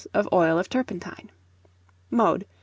of oil of turpentine. Mode.